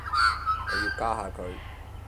我要加下佢